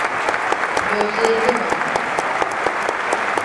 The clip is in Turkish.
Gözlerine bak.